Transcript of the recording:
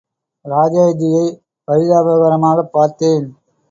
ராஜாஜியைப் பரிதாபகரமாகப் பார்த்தேன்.